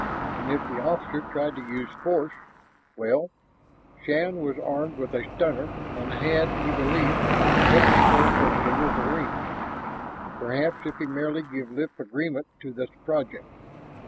And if the officer tried to use force, well, Shann was armed with a stunner, and had, he believed, more control over the wolverines. Perhaps if he merely gave lip agreement to this project....